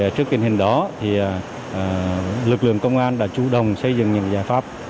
trước tình hình đó thì lực lượng công an đã chủ đồng xây dựng những giải pháp